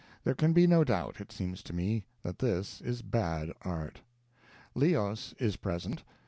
There can be no doubt, it seems to me, that this is bad art. Leos is present.